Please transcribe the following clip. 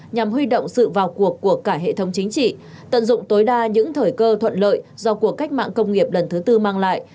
nhằm huy động sự vào cuộc của cả hệ thống chính trị tận dụng tối đa những thời cơ thuận lợi do cuộc cách mạng công nghiệp lần thứ tư mang lại